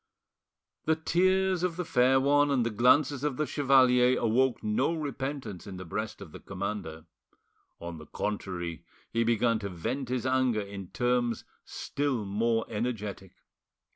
The tears of the fair one and the glances of the chevalier awoke no repentance in the breast of the commander; on the contrary, he began to vent his anger in terms still more energetic.